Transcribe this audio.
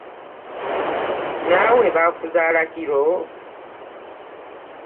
Nawe baakuzaala kiro?